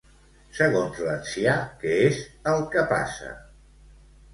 Segons l'ancià, què és el que passa?